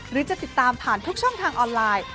หรือจะติดตามผ่านทุกช่องทางออนไลน์